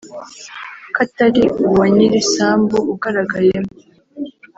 ko atari uwa nyir’isambu ugaragayemo